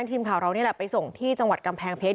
ทีมข่าวเรานี่แหละไปส่งที่จังหวัดกำแพงเพชร